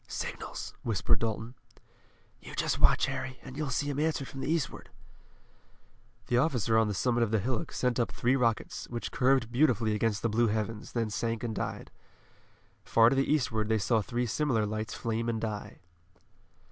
"Signals," whispered Dalton. "You just watch, Harry, and you'll see 'em answered from the eastward." The officer on the summit of the hillock sent up three rockets, which curved beautifully against the blue heavens, then sank and died. Far to the eastward they saw three similar lights flame and die.